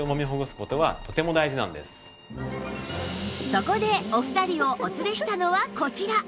そこでお二人をお連れしたのはこちら